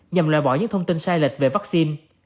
nhằm loại bỏ những thông tin sai lệch về vaccine